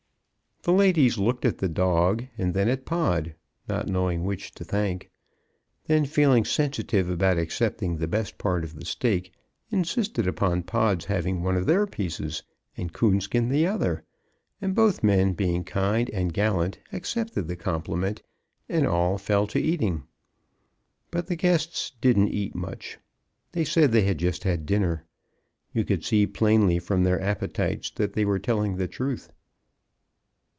The ladies looked at the dog, and then at Pod, not knowing which to thank, then feeling sensitive about accepting the best part of the steak, insisted upon Pod's having one of their pieces and Coonskin the other; and both men being kind and gallant accepted the compliment, and all fell to eating. But the guests didn't eat much. They said they had just had dinner. You could see plainly from their appetites that they were telling the truth.